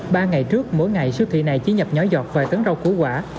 ba ngày trước mỗi ngày siêu thị này chỉ nhập nhỏ giọt vài tấn rau củ quả